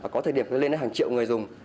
có thời điểm lên đến hàng triệu người dùng